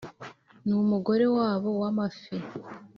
numugore wabo wamafi